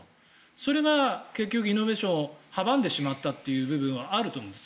それが結局、イノベーションを阻んでしまったという部分はあると思います。